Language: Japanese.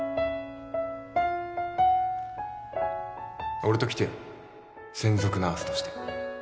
俺と来てよ専属ナースとして